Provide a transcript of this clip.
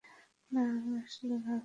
না, আমি আসলে ভাবছি।